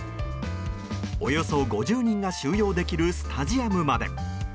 およそ５０人が収容できるスタジアムまで。